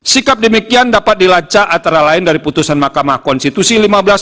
sikap demikian dapat dilacak antara lain dari putusan mahkamah konstitusi lima belas